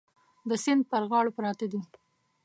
د سیند پر غاړو پراته دي.